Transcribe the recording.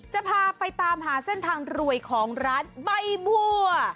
จะพาไปตามหาเส้นทางรวยของร้านใบบัว